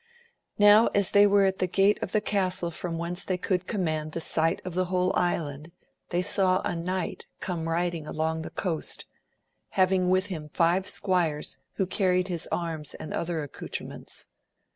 Now as they were at the gate of the castle from whence they could command the sight of the whole island they saw a knight come riding along the coast having with him five Auireswho carried hi arms and other accoutrements.